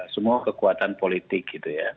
semua kekuatan politik